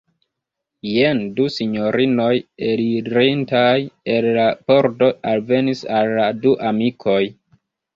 Jen du sinjorinoj elirintaj el la pordo alvenis al la du amikoj.